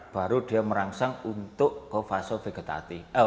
baru dia merangsang untuk ke fase vegetatif